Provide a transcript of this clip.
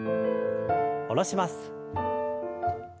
下ろします。